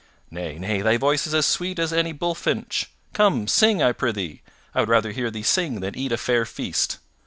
Nay, nay, thy voice is as sweet as any bullfinch; come, sing, I prythee, I would rather hear thee sing than eat a fair feast.